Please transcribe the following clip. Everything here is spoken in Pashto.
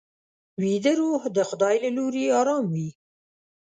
ویده روح د خدای له لوري ارام وي